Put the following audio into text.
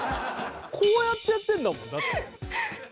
こうやってやってるんだもんだって。